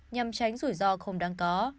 nhằm tránh rủi ro không đáng có